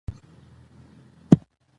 ایا خلک بد چلند کوي؟